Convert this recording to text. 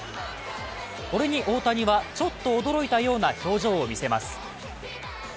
これに大谷はちょっと驚いたような表情を見せます。